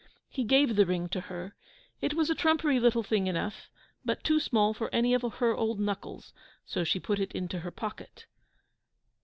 He gave the ring to her; it was a trumpery little thing enough, but too small for any of her old knuckles, so she put it into her pocket.